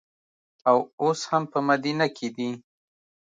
او اوس هم په مدینه کې دي.